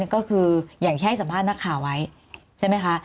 ก็คืออย่างที่ให้สัมภาษณ์นักข่าวไว้ใช่ไหมคะ